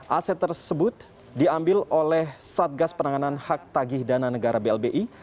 aset tersebut diambil oleh satgas penanganan hak tagih dana negara blbi